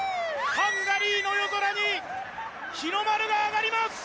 ハンガリーの夜空に日の丸が上がります！